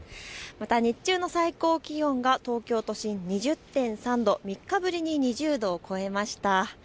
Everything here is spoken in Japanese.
また日中の最高気温は東京都心、２０．３度、３日ぶりに２０度を超えました。